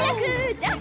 ジャンプ！